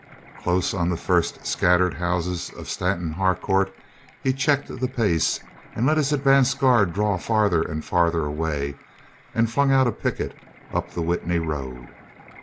Close on the first scat tered houses of Stanton Harcourt he checked the pace and let his advance guard draw farther and farther away and flung out a picket up the Witney road.